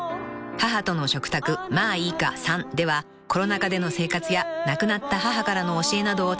［『母との食卓まあいいか３』ではコロナ禍での生活や亡くなった母からの教えなどをつづっています］